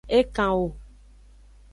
E kan wo.